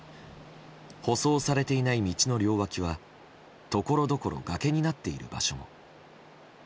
舗装されていない道の両脇はところどころ崖になっている場所。